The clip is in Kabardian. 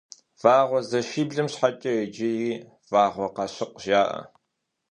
Вагъуэзэшибл щхьэкӀэ иджыри Вагъуэкъащыкъ жаӀэ.